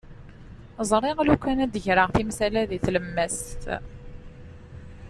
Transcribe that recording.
Ẓriɣ lukan ad d-greɣ timsal-a deg tlemmast.